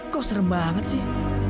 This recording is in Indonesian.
kau serem banget sih